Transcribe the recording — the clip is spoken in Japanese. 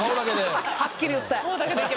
はっきり言って。